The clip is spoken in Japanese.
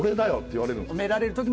褒められる？